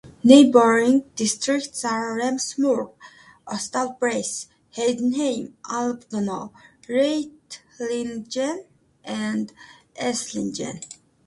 Neighboring districts are Rems-Murr, Ostalbkreis, Heidenheim, Alb-Donau, Reutlingen and Esslingen.